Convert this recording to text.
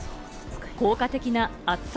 効果的な暑さ